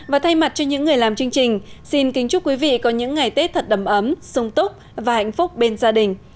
và thay mặt cho những người làm chương trình xin kính chúc quý vị có những ngày tết thật đầm ấm sung túc và hạnh phúc bên gia đình